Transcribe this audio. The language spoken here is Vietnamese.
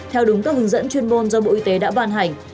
theo đúng các hướng dẫn chuyên môn do bộ y tế đã ban hành